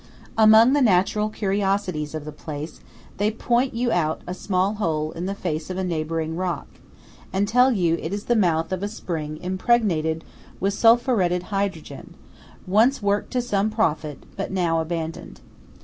Among the natural curiosities of the place, they point you out a small hole in the face of a neighbouring rock, and tell you it is the mouth of a spring impregnated with sulphuretted hydrogen, once worked to some profit, but now abandoned.